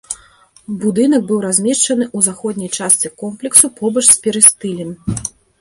Будынак быў размешчаны ў заходняй частцы комплексу побач з перыстылем.